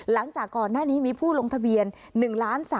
หลังจากก่อนหน้านี้มีผู้ลงทะเบียน๑ล้าน๓๐๐